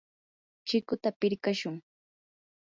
chikuta pirqashun.